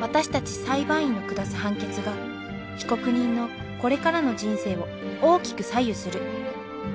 私たち裁判員の下す判決が被告人のこれからの人生を大きく左右する。